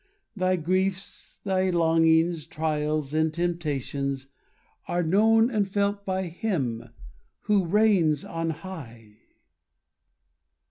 Thy griefs, thy longings, trials, and temptations Are known and felt by Him who reigns on high.